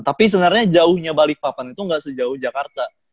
tapi sebenarnya jauhnya balikpapan itu nggak sejauh jakarta